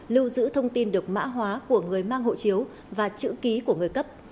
lưu giữ thông tin được mã hóa của người mang hộ chiếu và chữ ký của người cấp